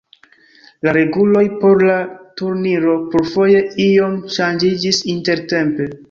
La reguloj por la turniro plurfoje iom ŝanĝiĝis intertempe.